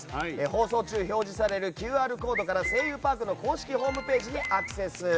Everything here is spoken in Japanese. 放送中表示されるＱＲコードから「声優パーク」の公式ホームページにアクセス。